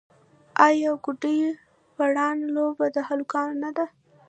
آیا د ګوډي پران لوبه د هلکانو نه ده؟